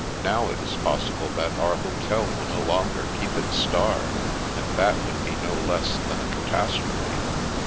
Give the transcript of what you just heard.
Now, it is possible that our hotel will no longer keep its star, and that would be no less than a catastrophe."